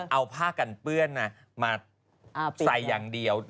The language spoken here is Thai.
เอาผ้ากันเปื้อนมาใส่อย่างเดียว